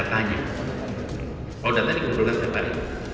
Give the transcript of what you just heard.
oh datanya dikumpulkan setiap hari